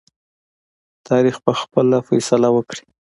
تاریخ به خپل فیصله وکړي.